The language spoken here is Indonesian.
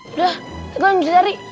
udah kita bisa cari